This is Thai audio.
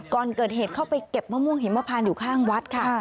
ก่อนเกิดเหตุเข้าไปเก็บมะม่วงหิมพานอยู่ข้างวัดค่ะ